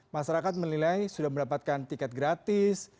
masyarakat menilai sudah mendapatkan tiket gratis